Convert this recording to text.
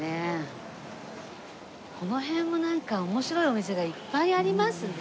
この辺もなんか面白いお店がいっぱいありますね。